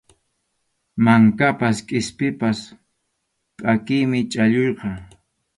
Mankapas qispipas pʼakiymi chhalluyqa.